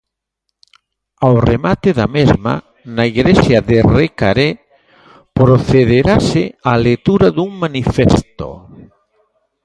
Ao remate da mesma, na igrexa de Recaré, procederase á lectura dun manifesto.